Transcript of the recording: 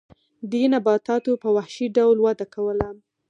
دې نباتاتو په وحشي ډول وده کوله.